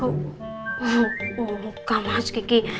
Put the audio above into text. oh enggak mas kiki